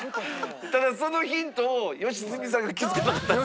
ただそのヒントを良純さんが気付かなかったんで。